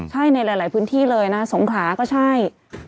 ใช่ในหลายพื้นที่เลยนะสงขลาก็ใช่